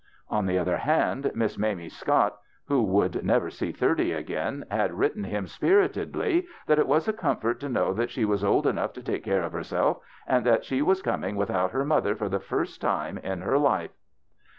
On the other hand, Miss Mamie Scott, who would never see thirty THE BACHELOR'S CHRISTMAS 41 again, had written liim spiritedly that it was a comfort to know that she was old enough to take care of herself, and that she was coming without her mother for the first time in her life.